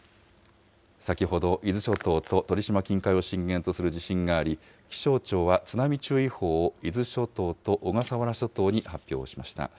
先ほど、伊豆諸島と鳥島近海を震源とする地震があり、気象庁は津波注意報を伊豆諸島と小笠原諸島に発表しました。